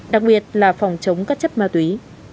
đặc biệt là phòng chống các chất ma túy